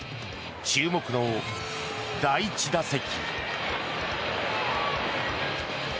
注目の第１打席。